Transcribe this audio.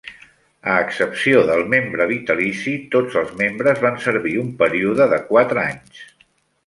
A excepció del membre vitalici, tots els membres van servir un període de quatre anys.